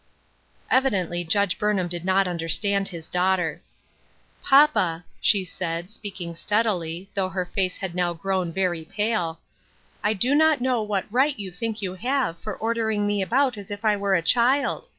Evidently Judge Burnham did not understand his daughter. "Papa," she said, speaking steadily, though her face had now grown very pale, " I do not know what right you think you have for ordering me about as if I were a child.